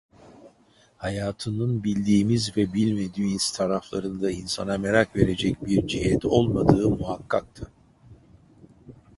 Hayatının bildiğimiz ve bilmediğimiz taraflarında insana merak verecek bir cihet olmadığı muhakkaktı.